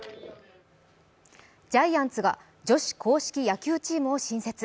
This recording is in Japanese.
ジャイアンツが女子硬式野球チームを新設。